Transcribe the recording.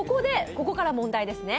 ここから問題ですね。